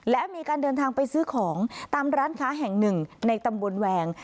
และมีการเดินทางไปซื้อของตามร้านค้าแห่งหนึ่งในตำบลแวง